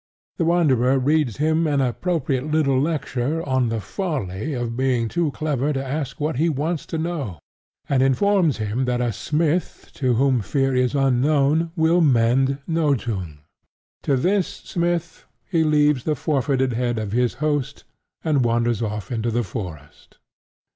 The Wanderer reads him an appropriate little lecture on the folly of being too clever to ask what he wants to know, and informs him that a smith to whom fear is unknown will mend Nothung. To this smith he leaves the forfeited head of his host, and wanders off into the forest.